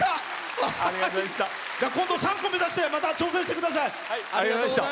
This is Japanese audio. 今度３個目指してまた挑戦してください。